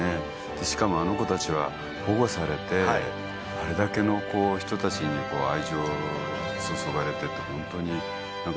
しかもあの子たちは保護されてあれだけの人たちに愛情を注がれててホントに。